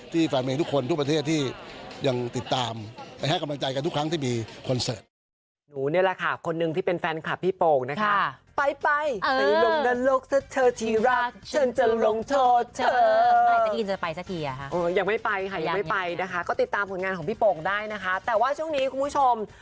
แฟนเพลงทุกคนทุกประเทศที่ยังติดตามไปให้กำลังใจกันทุกครั้งที่มีคอนเสิร์ต